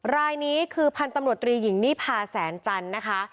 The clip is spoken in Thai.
รายนี้คือพันธุ์ตำรวจตรีหญิงนิพาแสนจันทร์นะคะ